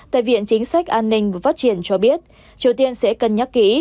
tại viện chính sách an ninh và phát triển cho biết triều tiên sẽ cân nhắc kỹ